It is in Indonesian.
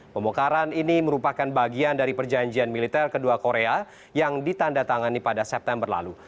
pembongkaran ini merupakan bagian dari perjanjian militer kedua korea yang ditanda tangani pada september lalu